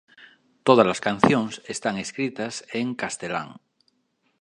Tódalas cancións están escritas en castelán.